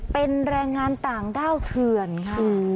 เป็นแรงงานต่างด้าวเถื่อนค่ะ